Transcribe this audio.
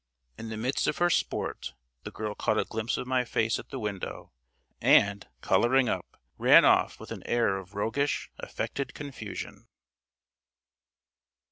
In the midst of her sport the girl caught a glimpse of my face at the window, and, colouring up, ran off with an air of roguish affected confusion.